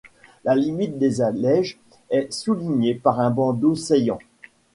La limite des allèges est soulignée par un bandeau saillant.